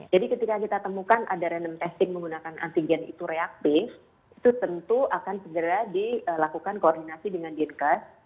jadi ketika kita temukan ada random testing menggunakan antigen itu reaktif itu tentu akan segera dilakukan koordinasi dengan dinkas